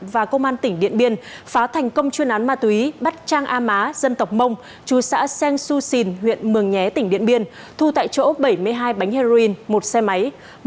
và công an tỉnh điện biên phá thành công chuyên án ma túy bắt trang a má dân tộc mông chú xã xen su sìn huyện mường nhé tỉnh điện biên thu tại chỗ bảy mươi hai bánh heroin một xe máy